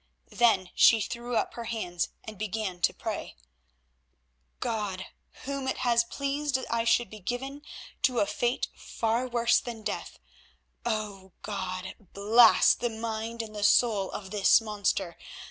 Then she threw up her hands and began to pray. "God, Whom it has pleased that I should be given to a fate far worse than death; O God, blast the mind and the soul of this monster.